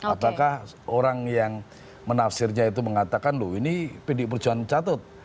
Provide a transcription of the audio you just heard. apakah orang yang menafsirnya itu mengatakan loh ini pdi perjuangan mencatut